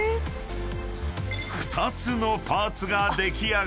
［２つのパーツが出来上がる］